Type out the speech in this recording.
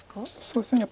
そうですね。